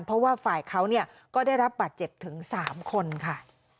เพราะว่าฝ่ายเขาก็ได้รับบาดเจ็บถึง๓คนค่ะ